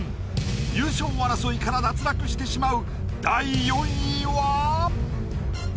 優勝争いから脱落してしまう。